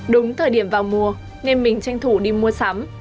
đúng thời điểm vào mùa nên mình tranh thủ đi mua sắm